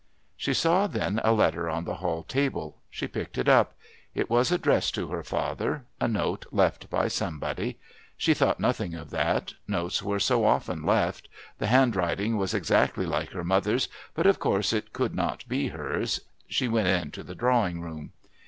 She saw then a letter on the hall table. She picked it up. It was addressed to her father, a note left by somebody. She thought nothing of that notes were so often left; the hand writing was exactly like her mother's, but of course it could not be hers. She went into the drawing room.